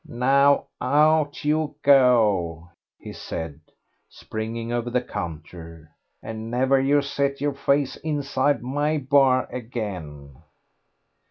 "Now out you go," he said, springing over the counter, "and never you set your face inside my bar again."